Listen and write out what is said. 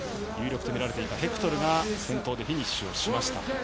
有力と見られていたヘクトルが先頭でフィニッシュしました。